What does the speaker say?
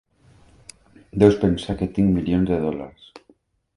Deus pensar que tinc milions de dòlars.